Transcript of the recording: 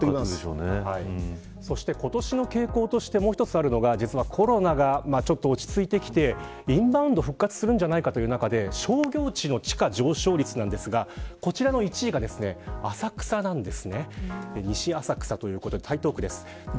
そうすると街の雰囲気もそして今年の傾向としてもう一つあるのはコロナが落ち着いてきてインバウンドが復活するんじゃないかということで商業地の地価上昇率なんですがこちらの１位が浅草なんです。